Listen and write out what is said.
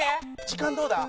時間どうだ？